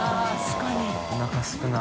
△繊おなかすくな。